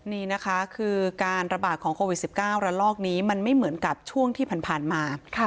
นี่นะคะคือการระบาดของโควิด๑๙ระลอกนี้มันไม่เหมือนกับช่วงที่ผ่านมา